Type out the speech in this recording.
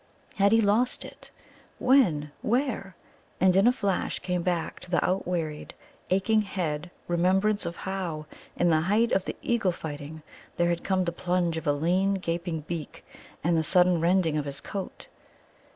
How had he lost it? When? Where? And in a flash came back to his outwearied, aching head remembrance of how, in the height of the eagle fighting, there had come the plunge of a lean, gaping beak and the sudden rending of his coat.